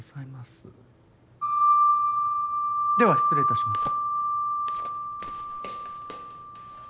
では失礼致します。